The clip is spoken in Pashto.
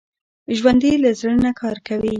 ژوندي له زړه نه کار اخلي